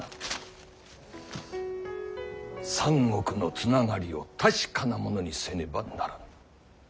三国のつながりを確かなものにせねばならぬ。